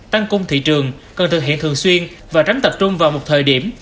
tăng cung thị trường cần thực hiện thường xuyên và tránh tập trung vào một thời điểm